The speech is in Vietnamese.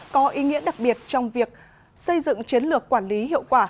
có ý nghĩa đặc biệt trong việc xây dựng chiến lược quản lý hiệu quả